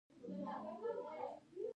د خوړو او درملو اداره کیفیت ګوري